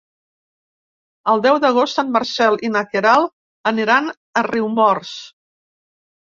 El deu d'agost en Marcel i na Queralt aniran a Riumors.